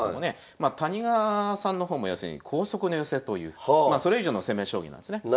まあ谷川さんの方も要するに光速の寄せというまあそれ以上の攻め将棋なんですね。